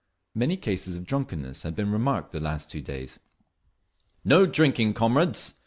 Many cases of drunkenness had been remarked the last two days. "No drinking, comrades!